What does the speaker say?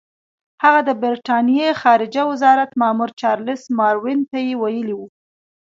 هغه د برټانیې خارجه وزارت مامور چارلس ماروین ته ویلي وو.